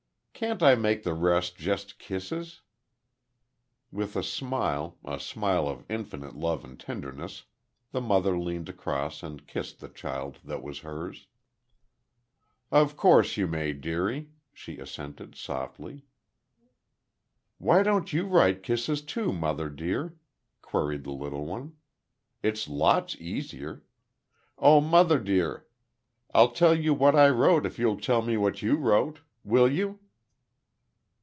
"Can't I make the rest just kisses?" With a smile a smile of infinite love and tenderness, the mother leaned across and kissed the child that was hers. "Of course you may, dearie," she assented, softly. "Why don't you write kisses, too, mother, dear?" queried the little one. "It's lots easier.... Oh, mother, dear! I'll tell you what I wrote if you'll tell me what you wrote. Will you?"